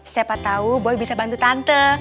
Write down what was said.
siapa tau boy bisa bantu tante